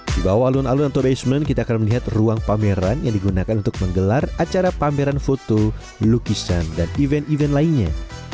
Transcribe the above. di bawah alun alun atau basement kita akan melihat ruang pameran yang digunakan untuk menggelar acara pameran foto lukisan dan event event lainnya